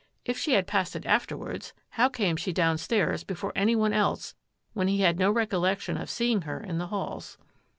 If she had passed it afterwards, how came she down stairs before any one else when he had no recol lection of seeing her in the halls?